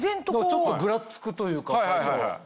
ちょっとぐらつくというか。